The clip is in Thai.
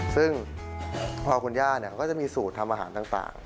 ซึ่งพอคุณย่าก็จะมีสูตรทำอาหารต่าง